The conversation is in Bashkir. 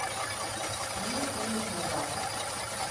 — Минең үҙ исемем бар.